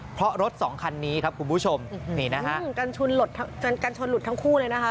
เพราะรถสองคันนี้ครับคุณผู้ชมนี่นะฮะกันชนหลุดกันชนหลุดทั้งคู่เลยนะคะ